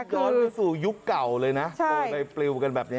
ด้วยสู่ยุคเก่าเลยนะบอกใบปลิวกันแบบนี้